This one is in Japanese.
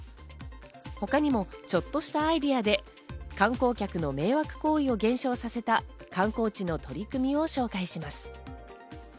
他にも、ちょっとしたアイデアで観光客の迷惑行為を減少させた観光地の取り組みを紹介します。